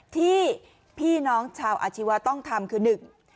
ที่พี่น้องชาวอาชีวะต้องทำคือหนึ่ง